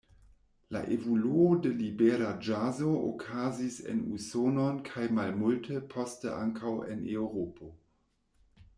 La evoluo de libera ĵazo okazis en Usonon kaj malmulte poste ankaŭ en Eŭropo.